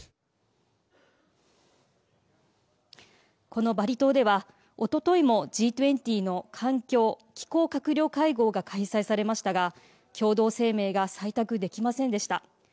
このバリ島では、おとといもＧ２０の環境・気候閣僚会合が開催されましたが共同声明が採択できませんでした。